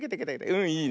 うんいいね。